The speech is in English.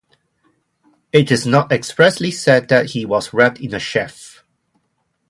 It is not expressly said that he was wrapped in a sheaf.